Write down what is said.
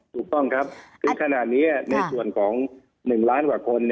ถูกต้องครับถึงขนาดนี้ในส่วนของ๑ล้านกว่าคน